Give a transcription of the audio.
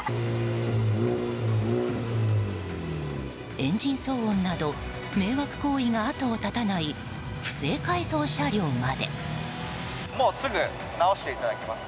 エンジン騒音など迷惑行為が後を絶たない不正改造車両まで。